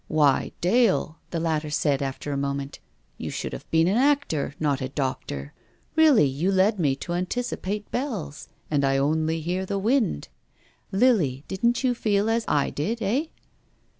" Why, Dale," the latter said after a moment, " you should have been an actor, not a doctor. Really you led me to anticipate bells, and I only hear the wind. Lily, didn't you feel as I did, eh?"